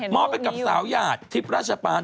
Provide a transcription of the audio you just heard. อบไปกับสาวหยาดทิพย์ราชปาน